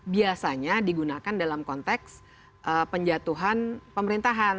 biasanya digunakan dalam konteks penjatuhan pemerintahan